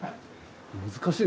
難しい。